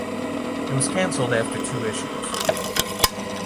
It was cancelled after two issues.